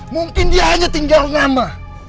mungkin dia hanya tinggal nama